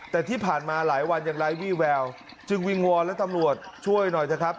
แต่ที่ผ่านมาหลายวันยังไร้วี่แววจึงวิงวอนและตำรวจช่วยหน่อยเถอะครับ